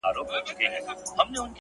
جانان ارمان د هره یو انسان دی والله،